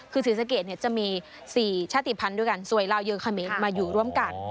คือศรีสะเกดจะมี๔ชาติภัณฑ์ด้วยกันสวยลาวเยอะเขมรมาอยู่ร่วมกัน